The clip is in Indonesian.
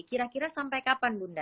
kira kira sampai kapan bunda